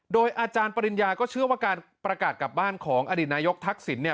โดยอาจารย์ปริญญาก็เชื่อว่าการประกาศกลับบ้านของอดีตนายกทักษิณเนี่ย